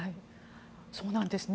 そうなんですね。